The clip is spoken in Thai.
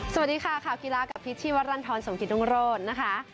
สวัสดีค่ะข่าวกีฬากับพิษชีวรรณฑรสมกิตรุงโรธนะคะ